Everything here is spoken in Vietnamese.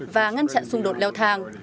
và ngăn chặn xung đột leo thang